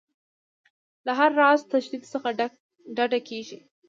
له هر راز تشدد څخه ډډه کیږي.